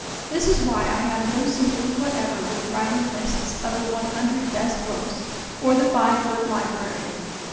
This is why I have no sympathy whatever with writing lists of the One Hundred Best Books, or the Five Foot Library.